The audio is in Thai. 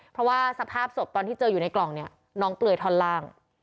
เพราะว่าสภาพศพตอนที่เจออยู่ในกล่องเนี่ยน้องเปลือยท่อนล่าง